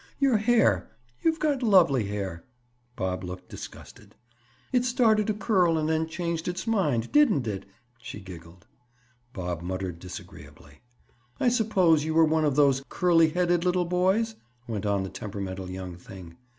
"Your hair. You've got lovely hair." Bob looked disgusted. "It started to curl and then changed its mind, didn't it?" she giggled. Bob muttered disagreeably. "I suppose you were one of those curly headed little boys?" went on the temperamental young thing.